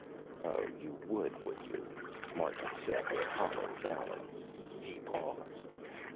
"Oh, you would, would you?" Martin said with hollow valor. He paused.